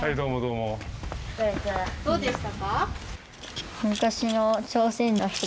どうでしたか？